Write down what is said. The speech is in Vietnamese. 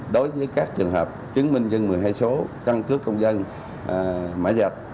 đối với các trường hợp chứng minh nhân một mươi hai số cân cước công dân mã dạch